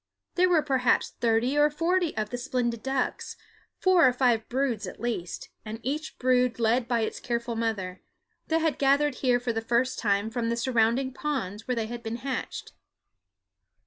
There were perhaps thirty or forty of the splendid birds four or five broods at least, and each brood led by its careful mother that had gathered here for the first time from the surrounding ponds where they had been hatched.